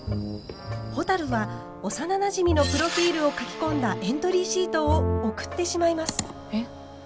ほたるは幼なじみのプロフィールを書き込んだエントリーシートを送ってしまいます。